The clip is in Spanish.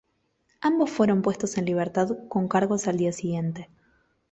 Ambos fueron puestos en libertad con cargos al día siguiente.